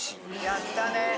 やったね。